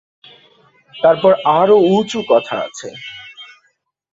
তারপর আরও উঁচু কথা আছে।